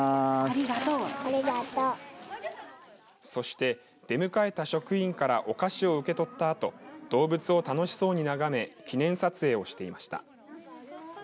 そして、出迎えた職員からお菓子を受け取ったあと動物を楽しそうに眺め記念撮影をしていました。